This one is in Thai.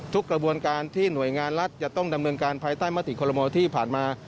กระบวนการที่หน่วยงานรัฐจะต้องดำเนินการภายใต้มติคอลโมที่ผ่านมา